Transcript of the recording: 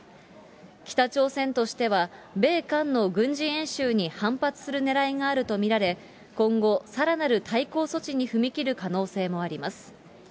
北朝鮮としては米韓の軍事演習に反発するねらいがあると見られ、今後、さらなる対抗措置に踏み切る可能性もあります。